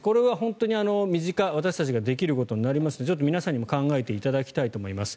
これは本当に身近私たちができることなので皆さんにも考えていただきたいと思います。